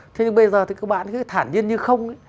thế nhưng bây giờ thì các bạn cứ thản nhiên như không